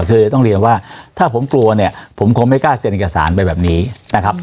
คือต้องเรียนว่าถ้าผมกลัวเนี่ยผมคงไม่กล้าเซ็นเอกสารไปแบบนี้นะครับ